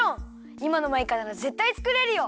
いまのマイカならぜったいつくれるよ！